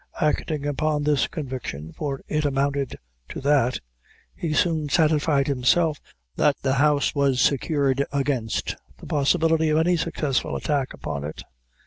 Acting upon this conviction. for it amounted to that he soon satisfied himself that the house was secured against, the possibility of any successful attack upon it.